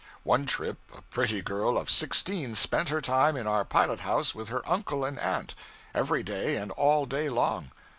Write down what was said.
One trip a pretty girl of sixteen spent her time in our pilot house with her uncle and aunt, every day and all day long.